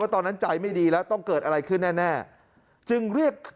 ตอนนั้นใจไม่ดีแล้วต้องเกิดอะไรขึ้นแน่จึงเรียก